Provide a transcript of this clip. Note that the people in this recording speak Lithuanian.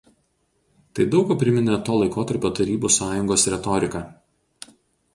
Tai daug kuo priminė to laikotarpio Tarybų Sąjungos retoriką.